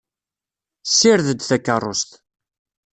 Ssired-d takeṛṛust.